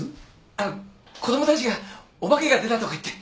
あの子供たちがお化けが出たとか言って。